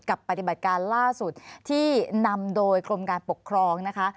ปฏิบัติการล่าสุดที่นำโดยกรมการปกครองนะคะ